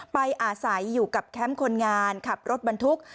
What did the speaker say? อาศัยอยู่กับแคมป์คนงานขับรถบรรทุก